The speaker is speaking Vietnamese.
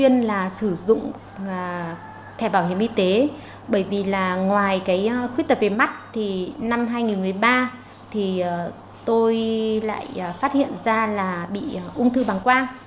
nhiều năm qua tôi lại phát hiện ra là bị ung thư bằng quang